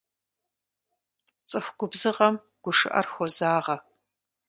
ЦӀыху губзыгъэм гушыӀэр хозагъэ.